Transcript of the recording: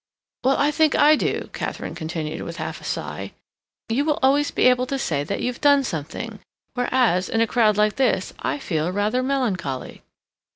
"Well, I think I do," Katharine continued, with half a sigh. "You will always be able to say that you've done something, whereas, in a crowd like this, I feel rather melancholy."